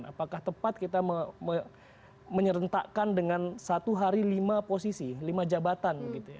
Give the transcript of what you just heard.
apakah tepat kita menyerentakkan dengan satu hari lima posisi lima jabatan